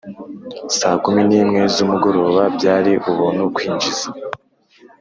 saa kumi nimwe zumugoroba byari Ubuntu kwinjiza